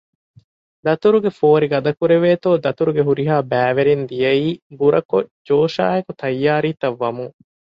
ދަތުރުގެ ފޯރި ގަދަކުރެވޭތޯ ދަތުރުގެ ހުރިހާ ބައިވެރިން ދިޔައީ ބުރަކޮށް ޖޯޝާއެކު ތައްޔާރީ ތައް ވަމުން